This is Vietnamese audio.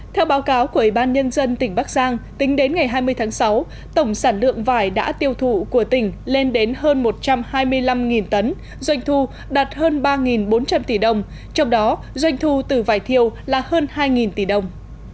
theo báo cáo của ủy ban nhân dân tỉnh bắc giang tính đến ngày hai mươi tháng sáu tổng sản lượng vải đã tiêu thụ của tỉnh lên đến hơn một trăm hai mươi năm tấn doanh thu đạt hơn ba bốn trăm linh tỷ đồng trong đó doanh thu từ vải thiêu là hơn hai tỷ đồng